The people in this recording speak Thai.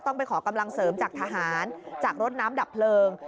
ไปขอกำลังเสริมจากทหารจากรถน้ำดับเพลิง